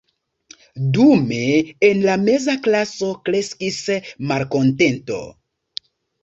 Dume en la meza klaso kreskis malkontento.